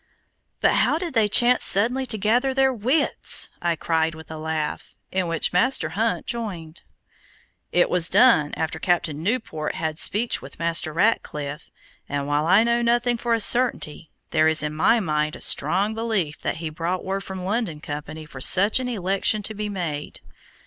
"But how did they chance suddenly to gather their wits?" I cried with a laugh, in which Master Hunt joined. "It was done after Captain Newport had speech with Master Ratcliffe, and while I know nothing for a certainty, there is in my mind a strong belief that he brought word from the London Company for such an election to be made.